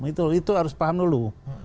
itu harus paham dulu